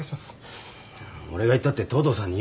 俺が言ったって東堂さんに言うなよ？